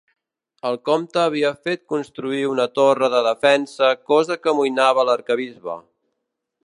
El comte havia fet construir una torre de defensa, cosa que amoïnava l'arquebisbe.